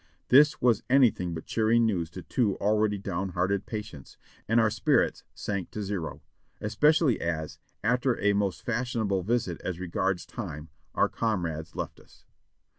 This was anything but cheering news to two already down hearted patients, and our spirits sank to zero, especiallv as, after a most fashionable visit as regards time, our comrades left us.